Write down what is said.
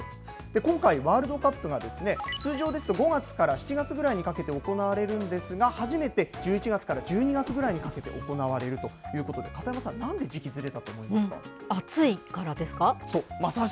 今回、ワールドカップが、通常ですと５月から７月ぐらいにかけて行われるんですが、初めて１１月から１２月ぐらいにかけて行われるということで、片山さん、なん暑いからですか。